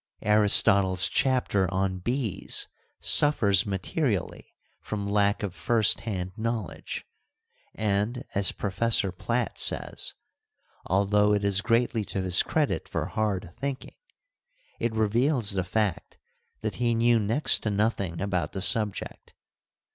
Aristotle's chapter on bees suffers materially from lack of first hand knowledge, and, as Professor Piatt says, although it is greatly to his credit for hard thinking, it reveals the fact that he knew next to nothing about the subject.